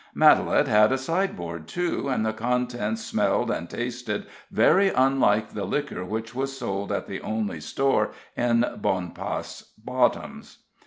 Matalette had a sideboard, too, and the contents smelled and tasted very unlike the liquor which was sold at the only store in Bonpas Bottoms.